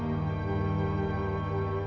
yaudah jangan sampai gak banyak